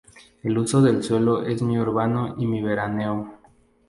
El uso del suelo es mi urbano y mi veraneo.